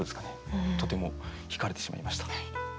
とてもひかれてしまいました。